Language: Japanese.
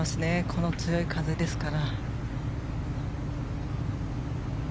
この強い風ですから。